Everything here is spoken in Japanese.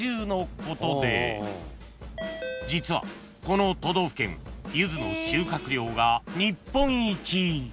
［実はこの都道府県ユズの収穫量が日本一］